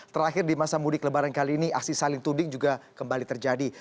terakhir di masa mudik lebaran kali ini aksi saling tuding juga kembali terjadi